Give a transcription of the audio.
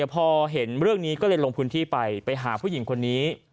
พอเห็นเรื่องนี้ก็เลยลงพื้นที่ไปไปหาผู้หญิงคนนี้